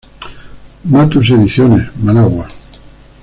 Matus Ediciones: Managua.